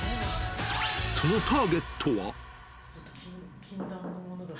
そのターゲットは。